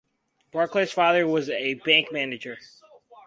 Barclay's father was a bank manager.